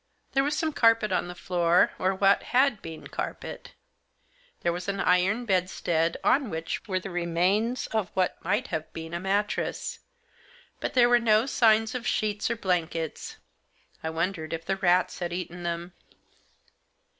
There was some carpet on the floor, or what had been carpet. There was an iron bedstead, on which were the remains of what might have been a mattress. But there were no signs of sheets or blan kets ; I wondered if the rats had eaten them.